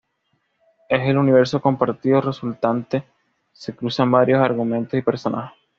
En el universo compartido resultante se cruzan varios argumentos y personajes.